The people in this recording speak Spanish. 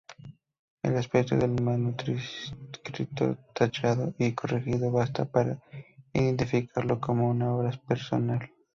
El aspecto del manuscrito, tachado y corregido basta para identificarlo como una obra personal.